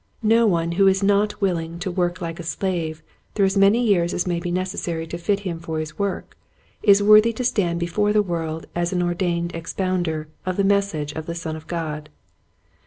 No one who is not willing to work like a slave through as many years as may be neces sary to fit him for his work is worthy to stand before the world as an ordained expounder of the message of the Son of God.